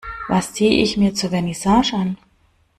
Was ziehe ich mir zur Vernissage an?